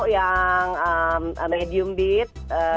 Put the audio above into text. yang medium beat